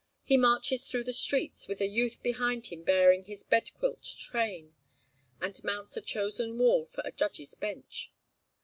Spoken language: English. He marches through the streets, with a youth behind him bearing his bed quilt train, and mounts a chosen wall for a judge's bench.